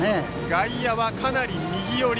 外野はかなり右寄り。